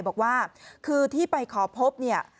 บอกว่าคือที่ไปขอพบเนี่ย